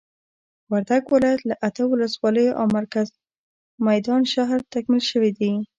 وردګ ولايت له اته ولسوالیو او مرکز میدان شهر تکمیل شوي دي.